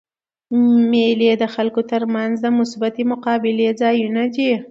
مېلې د خلکو تر منځ د مثبتي مقابلې ځایونه دي.